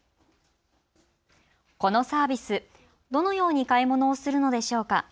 このサービス、どのように買い物をするのでしょうか。